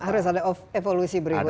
harus ada evolusi berikutnya